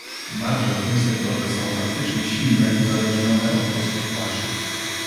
Marże w tym sektorze są faktycznie silne uzależnione od kosztów paszy